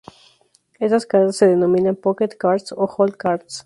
Estas cartas se denominan "pocket cards" o "hole cards".